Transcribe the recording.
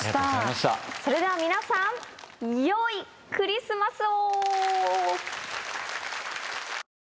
それでは皆さんよいクリスマスを！